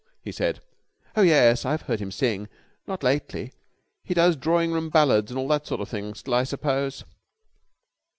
he said. "Oh yes, I've heard him sing. Not lately. He does drawing room ballads and all that sort of thing still, I suppose?"